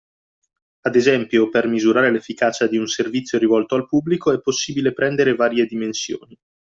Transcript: Ad esempio, per misurare l'efficacia di un servizio rivolto al pubblico è possibile prendere varie dimensioni.